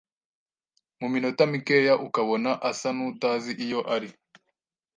mu minota mikeya ukabona asa n’utazi iyo ari.